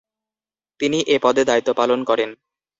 তিনি এ পদে দায়িত্ব পালন করেন।